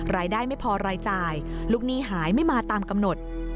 ไม่พอรายจ่ายลูกหนี้หายไม่มาตามกำหนด